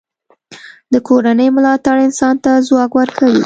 د کورنۍ ملاتړ انسان ته ځواک ورکوي.